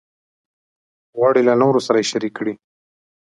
غواړي له نورو سره یې شریک کړي.